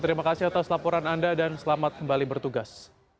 terima kasih atas laporan anda dan selamat kembali bertugas